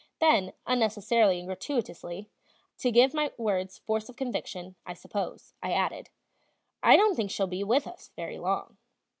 Then unnecessarily and gratuitously to give my words force of conviction, I suppose I added: "I don't think she'll be with us very long."